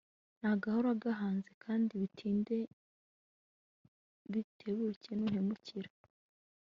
ntagahora gahanze kandi bitinde bitebuke nuhemukira